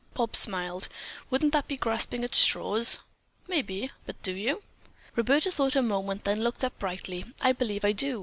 Bobs smiled. "Wouldn't that be grasping at straws?" "Maybe, but do you?" Roberta thought a moment, then looked up brightly. "I believe I do.